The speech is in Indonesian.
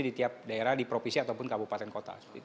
di tiap daerah di provinsi ataupun kabupaten kota